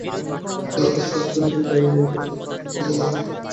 তারপর শাঁকচুন্নীকে গাঁয়ে গাঁয়ে প্রচার করতে যেতে বলো।